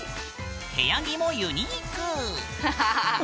部屋着もユニーク。